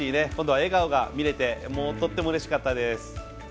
笑顔が見られてとってもうれしかったです。